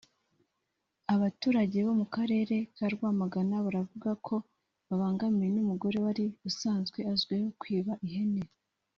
Abaturage bo mu karere ka Rwamagana baravuga ko babangamiwe n’umugore wari usanzwe azwiho kwiba ihene